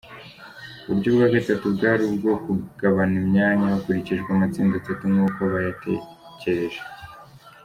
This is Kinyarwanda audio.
Uburyo bwa gatatu bwari ubwo kugabana imyanya hakurikijwe amatsinda atatu nkuko bayatekereje:.